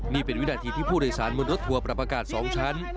นี่เป็นวินาทีที่ผู้โดยสารบนรถทัวร์ปรับอากาศ๒ชั้น